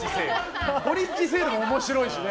ゴリッジセールも面白いしね。